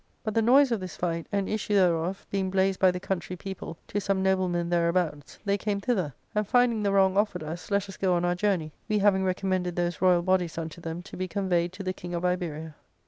But the noise of this fight, and issue thereof, being blazed by the country people to some noblemen thereabouts, they came thither, and finding the wrong offered us, let us go on our journey, we having recommended those royal bodies unto them to be conveyed to the king of Iberia."